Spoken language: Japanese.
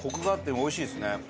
おいしいですこれ。